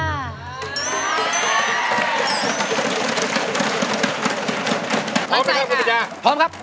พร้อมไหมครับคุณพระเจ้าพร้อมครับพร้อมครับ